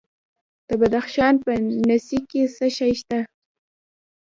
د بدخشان په نسي کې څه شی شته؟